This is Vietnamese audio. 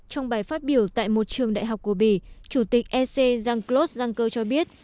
trong bài phát biểu tại một trường đại học của bỉ chủ tịch ec jean claude juncker cho biết